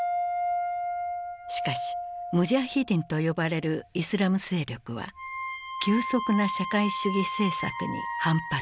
しかしムジャヒディンと呼ばれるイスラム勢力は急速な社会主義政策に反発。